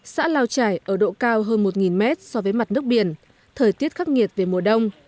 xã lao trải ở độ cao hơn một mét so với mặt nước biển thời tiết khắc nghiệt về mùa đông